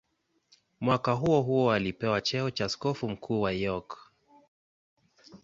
Mwaka huohuo alipewa cheo cha askofu mkuu wa York.